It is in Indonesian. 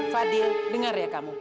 fadil dengar ya kamu